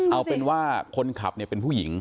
เอาเป็นว่าคนขับเนี่ยเป็นผู้หญิง